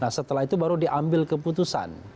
nah setelah itu baru diambil keputusan